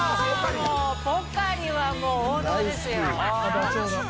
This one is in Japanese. ポカリはもう王道ですよ。